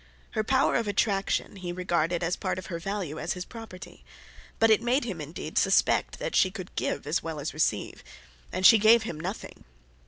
Her power of attraction, he regarded as part of her value as his property; but it made him, indeed, suspect that she could give as well as receive; and she gave him nothing!